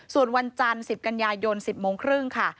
ส่วนวันจันทร์๑๐กันยายน๑๐โมงครึ่งค่ะ